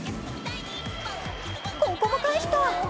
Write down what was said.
ここも返した！